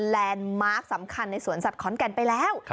แลนด์มาร์คสำคัญในสวนสัตว์ขอนแก่นไปแล้ว